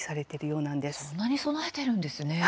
そんなに備えているんですね。